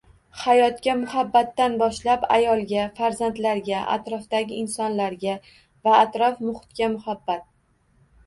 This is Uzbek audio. Hayotga muhabbatdan boshlab ayolga, farzandlarga, atrofdagi insonlarga va atrof-muhitga muhabbat.